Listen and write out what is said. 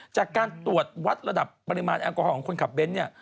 จากการตรวจวัดระดับปริมาณแอลกอฮอลของคนขับเบนท์เนี่ย